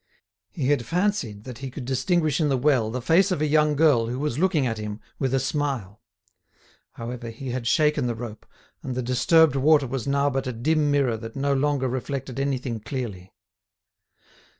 He had fancied that he could distinguish in the well the face of a young girl who was looking at him with a smile; however, he had shaken the rope, and the disturbed water was now but a dim mirror that no longer reflected anything clearly.